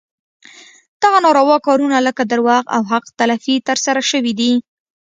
دغه ناروا کارونه لکه دروغ او حق تلفي ترسره شوي دي.